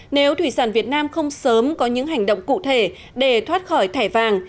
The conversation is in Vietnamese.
nếu thủy sản việt nam không sớm có những hành động cụ thể để thoát khỏi thẻ vàng